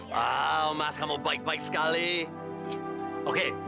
wow mas kamu baik baik sekali oke kita buangin